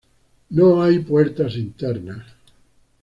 No hay puertas internas.